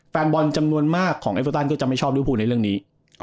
แฟนบอลจำนวนมากของเอเวอร์ตันก็จะไม่ชอบด้วยพูดในเรื่องนี้